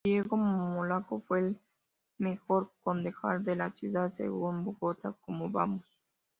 Diego Molano fue el mejor concejal de la ciudad según Bogotá Como Vamos.